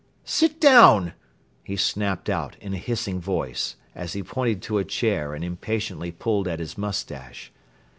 "Sit down," he snapped out in a hissing voice, as he pointed to a chair and impatiently pulled at his moustache.